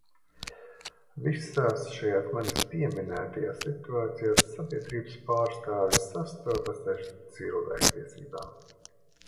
Visās šajās manis pieminētajās situācijās sabiedrības pārstāvji sastopas ar cilvēktiesībām.